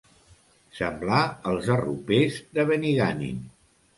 Semblar els arropers de Benigànim.